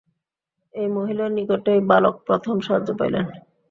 এই মহিলার নিকটেই বালক প্রথম সাহায্য পাইলেন।